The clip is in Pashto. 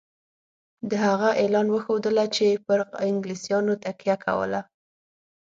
د هغه اعلان وښودله چې پر انګلیسیانو تکیه کوله.